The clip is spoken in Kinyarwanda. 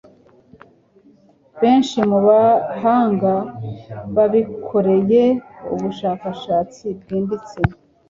Benshi mu bahanga babikoreye ubushakashatsi bwimbitse